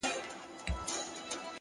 هره ورځ د عادتونو د جوړولو وخت دی’